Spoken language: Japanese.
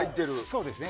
そうですね。